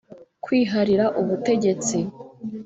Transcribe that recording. Kwiharira ubutegetsi